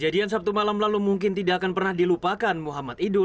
dia bunuh sendirinya kena saatnya anak itu